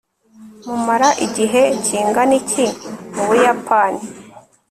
mumara igihe kingana iki mu buyapani